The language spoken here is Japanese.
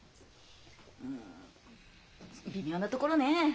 うん微妙なところねえ。